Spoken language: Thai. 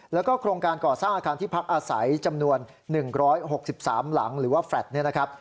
แล้วก็โครงการก่อสร้างอาคารที่พักอาศัยจำนวน๑๖๓หลังหรือว่าแฟลต์เนี่ยนะครับ